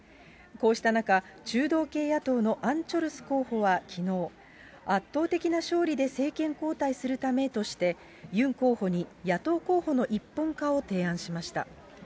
こうした中、中道系野党のアン・チョルス候補はきのう、圧倒的な勝利で政権交代するためとして、ユン候補に野党候補の一本化を提案しました。